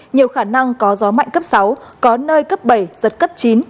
nhiều khả năng có gió mạnh cấp sáu có nơi cấp bảy giật cấp chín